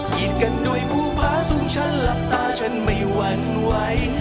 กินกันด้วยผู้พาสูงฉันหลับตาฉันไม่หวั่นไหว